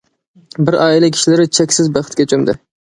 بىر ئائىلە كىشىلىرى چەكسىز بەختكە چۆمدى.